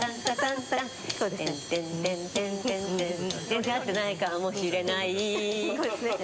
全然合ってないかもしれない。